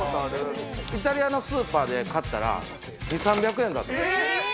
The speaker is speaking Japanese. イタリアのスーパーで買ったら、２、３００円だった。